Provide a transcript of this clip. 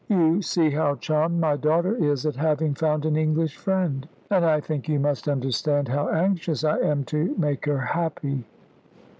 "You see how charmed my daughter is at having found an English friend; and I think you must understand how anxious I am to make her happy."